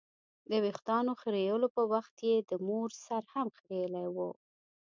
د ویښتانو خریلو په وخت یې د مور سر هم خرېیلی و.